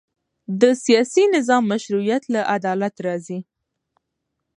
د سیاسي نظام مشروعیت له عدالت راځي